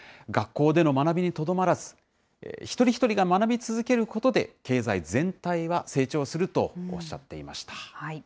学校での学びにとどまらず、一人一人が学び続けることで、経済全体は成長するとおっしゃっていました。